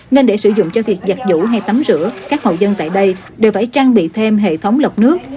nên để sử dụng cho việc giặt rũ hay tắm rửa các hậu dân tại đây đều phải trang bị thêm hệ thống lọc nước